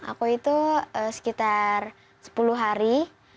aku itu sekitar sepuluh hari